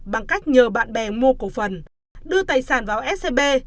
bằng cách nhờ bạn bè mua cổ phần đưa tài sản vào scb